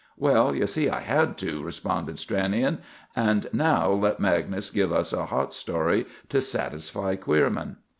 "Well, you see I had to," responded Stranion. "And now let Magnus give us a hot story to satisfy Queerman."